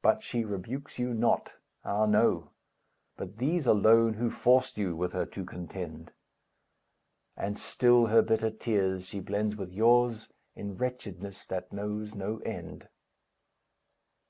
But she rebukes you not, Ah, no, but these alone, Who forced you with her to contend; And still her bitter tears she blends with yours, In wretchedness that knows no end.